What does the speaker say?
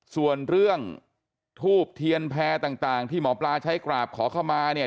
ส่วนเรื่องทูบเทียนแพร่ต่างที่หมอปลาใช้กราบขอเข้ามาเนี่ย